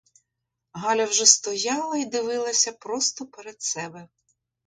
Галя вже стояла й дивилася просто перед себе.